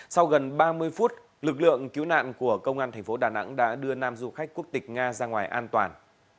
sau gần ba mươi phút lực lượng cứu nạn của công an thành phố đà nẵng đã đưa nam du khách quốc tịch nga ra ngoài an toàn